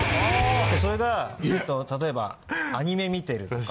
それが例えばアニメ見てるとか。